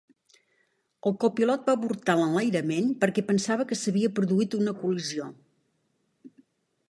El copilot va avortar l'enlairament perquè pensava que s'havia produït una col·lisió.